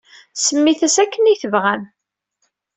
Semmit-as akken ay tebɣam.